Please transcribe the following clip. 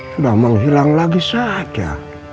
sudah menghilang lagi saja